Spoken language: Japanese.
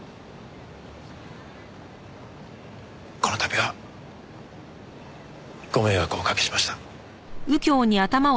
この度はご迷惑をお掛けしました。